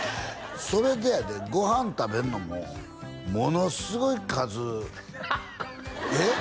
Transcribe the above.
それでやでご飯食べるのもものすごい数えっ？